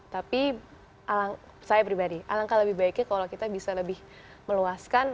tapi saya pribadi alangkah lebih baiknya kalau kita bisa lebih meluaskan